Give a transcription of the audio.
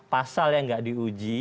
pasal yang gak diuji